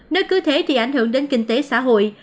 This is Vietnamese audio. nơi cứ thế thì ảnh hưởng đến kinh tế xã hội